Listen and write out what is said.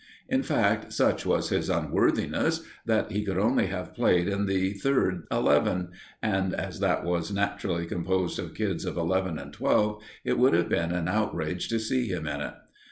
In fact, such was his unworthiness that he could only have played in the third eleven, and as that was naturally composed of kids of eleven and twelve, it would have been an outrage to see him in it.